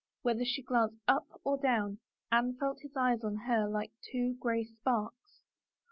Whether she glanced up or down, Anne felt his eyes on her like two gray sparks.